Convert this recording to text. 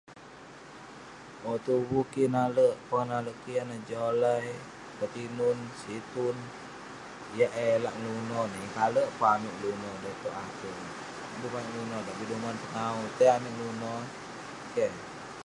Owk tuvu kik yah pongah nalek kik yan neh jolai, ketinun, situn..yah eh lak ngeluno ineh, yeng kalek pun amik ngeluno da itouk ate, abu amik ngeluno dak, duman pengawu etey amik ngeluno. keh.